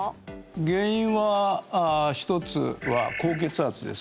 原因は１つは高血圧です